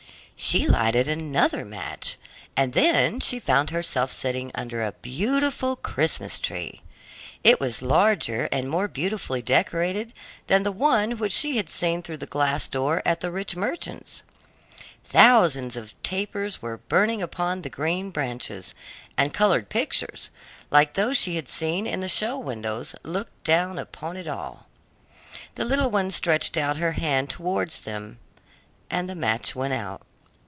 She lighted another match, and then she found herself sitting under a beautiful Christmas tree. It was larger and more beautifully decorated than the one which she had seen through the glass door at the rich merchant's. Thousands of tapers were burning upon the green branches, and colored pictures, like those she had seen in the show windows, looked down upon it all. The little one stretched out her hand towards them, and the match went out.